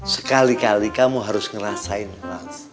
sekali kali kamu harus ngerasain mas